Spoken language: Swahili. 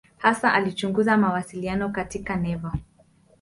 Hasa alichunguza mawasiliano katika neva.